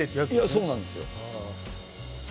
そうなんですよ。